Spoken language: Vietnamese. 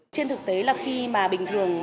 trên thực tế là khi mà bình thường